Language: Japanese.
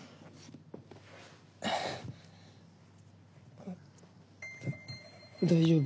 あっ大丈夫？